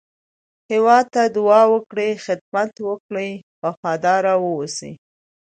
هېواد ته دعا وکړئ، خدمت وکړئ، وفاداره واوسی